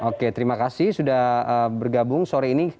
oke terima kasih sudah bergabung sore ini